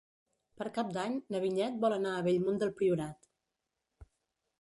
Per Cap d'Any na Vinyet vol anar a Bellmunt del Priorat.